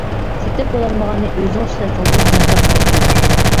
سېتىپ بولالمىغاننى ئۆزىڭىز ئىشلەتسىڭىزمۇ زىيان تارتمايسىز.